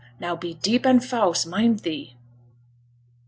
Now, be deep and fause, mind thee!'